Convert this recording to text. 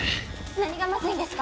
何がまずいんですか？